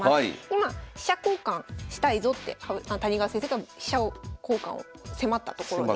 今飛車交換したいぞって谷川先生が飛車交換を迫ったところです。